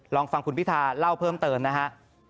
ลองฟังคุณพิธาเล่าเพิ่มเติมนะฮะ